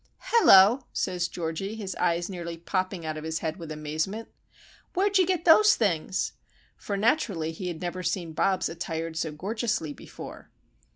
"Hello!" says Georgie, his eyes nearly popping out of his head with amazement,—"Where'd you get those things?" For, naturally, he had never seen Bobs attired so gorgeously before.